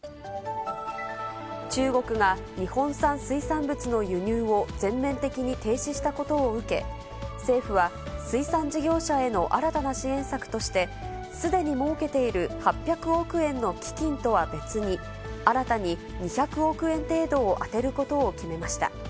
中国が日本産水産物の輸入を全面的に停止したことを受け、政府は水産事業者への新たな支援策として、すでに設けている８００億円の基金とは別に、新たに２００億円程度を充てることを決めました。